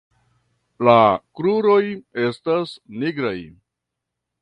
La kruroj estas nigraj.